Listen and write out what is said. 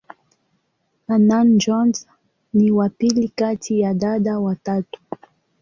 Hannah-Jones ni wa pili kati ya dada watatu.